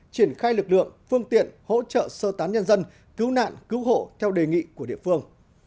triển khai lực lượng phương tiện hỗ trợ sơ tán nhân dân cứu nạn cứu hộ theo đề nghị của địa phương